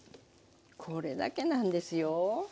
これだけなんですよ。